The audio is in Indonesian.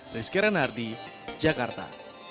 rizky renardi jakarta